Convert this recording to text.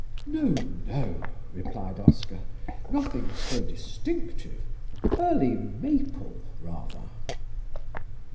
"No, no," replied Oscar, "nothing so distinctive. 'Early Maple,' rather."